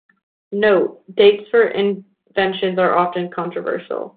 "Note:" Dates for inventions are often controversial.